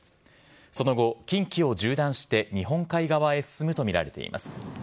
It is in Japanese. その後、近畿を縦断して日本海側へ進むと見られています。